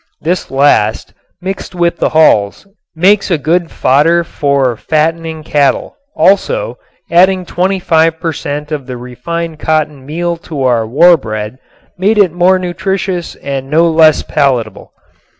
This last, mixed with the hulls, makes a good fodder for fattening cattle. Also, adding twenty five per cent. of the refined cottonseed meal to our war bread made it more nutritious and no less palatable.